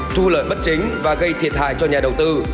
thu lợi bất chính và gây thiệt hại cho nhà đầu tư